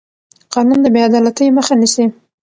قانون د بې عدالتۍ مخه نیسي